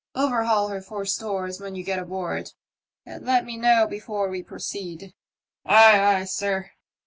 Overhaul her for stores when ye get aboard, and let me know before we proceed." *'Ay, ay, sir."